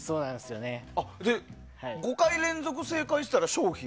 ５回連続正解したら賞品。